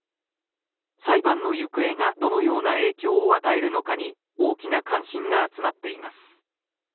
裁判の行方がどのような影響を与えるのかに大きな関心が集まっています。